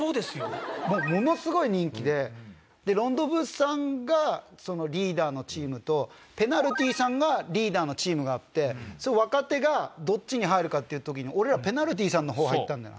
もうものすごい人気でロンドンブーツさんがリーダーのチームとペナルティさんがリーダーのチームがあって若手がどっちに入るかっていう時に俺らペナルティさんのほう入ったんだよな。